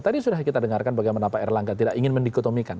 tadi sudah kita dengarkan bagaimana pak erlangga tidak ingin mendikotomikan